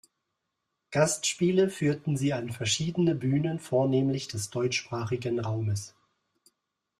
Gastspiele führten sie an verschiedene Bühnen vornehmlich des deutschsprachigen Raumes.